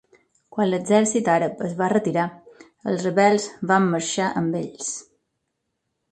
Quan l'exèrcit àrab es va retirar els rebels van marxar amb ells.